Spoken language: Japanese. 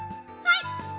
はい。